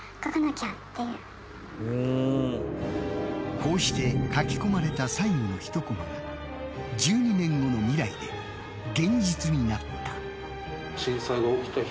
こうして書き込まれた最後の１コマが１２年後の未来で現実になった。